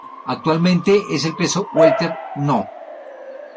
Actualmente es el peso welter No.